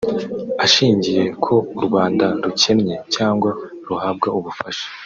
ashingiye ko u Rwanda rukennye cyangwa ruhabwa ubufasha